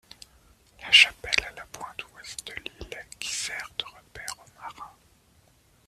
La chapelle à la pointe Ouest de l'île qui sert de repère aux marins.